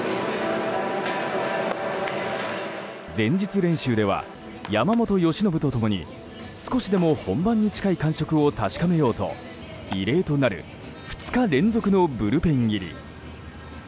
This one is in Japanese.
前日練習では山本由伸と共に少しでも本番に近い感触を確かめようと異例となる２日連続のブルペン入り。